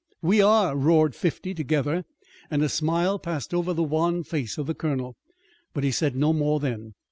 "We are!" roared fifty together, and a smile passed over the wan face of the colonel. But he said no more then.